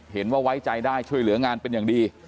ไว้ใจได้ช่วยเหลืองานเป็นอย่างดี